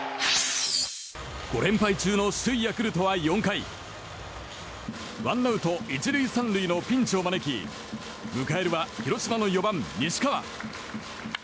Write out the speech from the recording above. ５連敗中の首位ヤクルトは４回ワンアウト、１塁３塁のピンチを招き迎えるは広島の４番、西川。